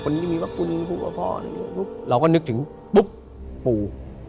แล้วก็นึกถึงปู